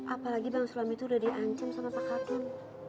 apalagi bang sulam itu udah diancam sama pak hakim